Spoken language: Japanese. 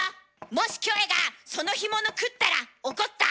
もしキョエがその干物食ったら怒った？